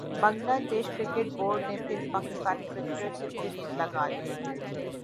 بنگلہ دیش cricket board نے پھر پاکستانی کرکٹرز سے امید لگا لی